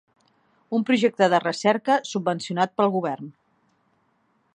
Un projecte de recerca subvencionat pel govern.